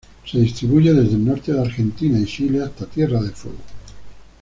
Se distribuye desde el norte de Argentina y Chile, hasta Tierra del Fuego.